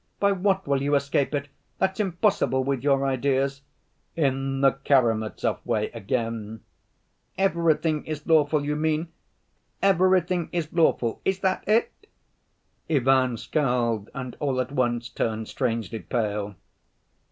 By what will you escape it? That's impossible with your ideas." "In the Karamazov way, again." " 'Everything is lawful,' you mean? Everything is lawful, is that it?" Ivan scowled, and all at once turned strangely pale.